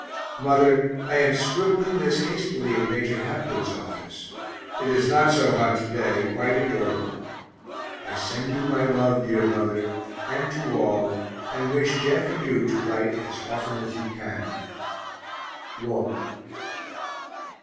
Mother, I am scribbling this hastily in Major Hapgood's office; it is not so hot to day, quite endurable. I send you my love, dear mother, and to all, and wish Jeff and you to write as often as you can. WALT.